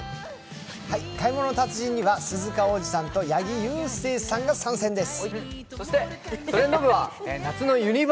「買い物の達人」には鈴鹿央士さんと八木勇征さんが参戦です。